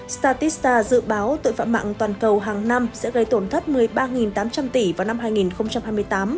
statista dự báo tội phạm mạng toàn cầu hàng năm sẽ gây tổn thất một mươi ba tám trăm linh tỷ vào năm hai nghìn hai mươi tám